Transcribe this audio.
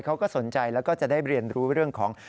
เขาก็สนใจแล้วก็จะได้เรียนรู้เรื่องของ